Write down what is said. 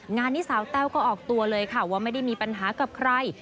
งานนี้สาวแต้วก็ออกตัวเลยค่ะว่าไม่ได้มีปัญหากับใคร